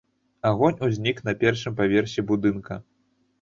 Агонь узнік на першым паверсе будынка.